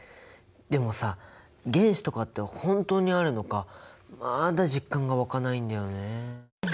でもさ原子とかって本当にあるのかまだ実感が湧かないんだよね。